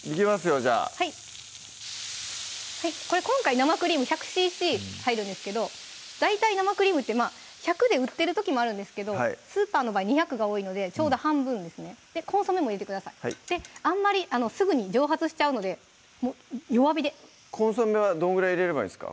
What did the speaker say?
じゃあこれ今回生クリーム１００ｃｃ入るんですけど大体生クリームってまぁ１００で売ってる時もあるんですけどスーパーの場合２００が多いのでちょうど半分ですねコンソメも入れてくださいであんまりすぐに蒸発しちゃうのでもう弱火でコンソメはどんぐらい入れればいいんですか？